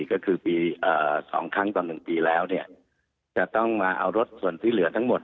ก็คือปี๒ครั้งต่อ๑ปีแล้วเนี่ยจะต้องมาเอารถส่วนที่เหลือทั้งหมด